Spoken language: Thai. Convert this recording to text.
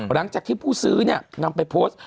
หลังจากที่ผู้ซื้อนำไปโพสต์